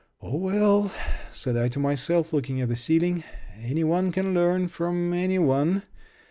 "Oh, well," said I to myself, looking at the ceiling, "any one can learn from any one.